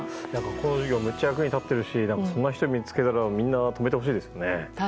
こういうのが役に立っているしそんな人を見つけたらみんな、止めてほしいですけどね。